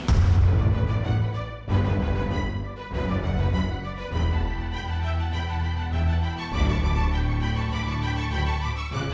haris sama tanti